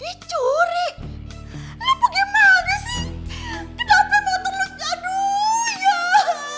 dicuri lu pergi mana sih